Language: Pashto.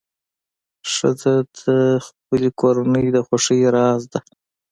ښځه د خپلې کورنۍ د خوښۍ راز ده.